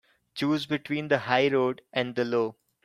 Choose between the high road and the low.